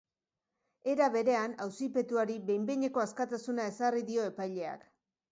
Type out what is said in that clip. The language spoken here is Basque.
Era berean, auzipetuari behin-behineko askatasuna ezarri dio epaileak.